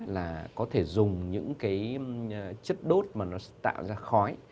là có thể dùng những chất đốt tạo ra khói